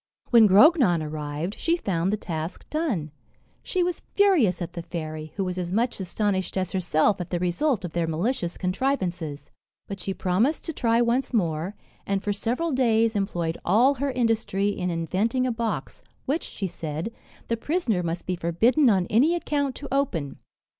When Grognon arrived, she found the task done. She was furious at the fairy, who was as much astonished as herself at the result of their malicious contrivances. But she promised to try once more; and for several days employed all her industry in inventing a box, which, she said, the prisoner must be forbidden on any account to open.